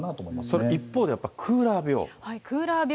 それ、一方でやっぱりクーラー病。